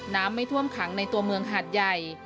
ไม่ท่วมขังในตัวเมืองหาดใหญ่